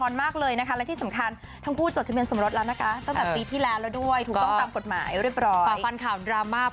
และทีสำคัญทั้งคู่จดทะเมียสมรสตั้งปีที่แล้วผ่านข่าวดราม่าละ